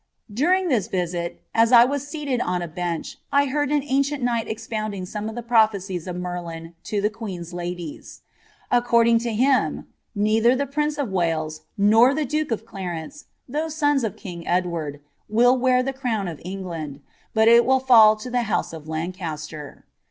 During this visit, as I was seated on a bench, I heard an ancient light expovndjDg some of the prophecies of Merlin to the queen's lies. According to him, neither the prince of Wales nor the duke of nvDce, though sons to king Edward, will wear the crown of England, tt it will fall to the house of Lancaster.